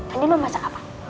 andin mau masak apa